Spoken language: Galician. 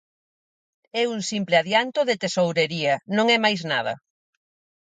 É un simple adianto de tesourería, non é máis nada.